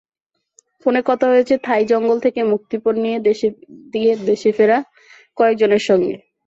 ফোনে কথা হয়েছে থাই জঙ্গল থেকে মুক্তিপণ দিয়ে দেশে ফেরা কয়েকজনের সঙ্গেও।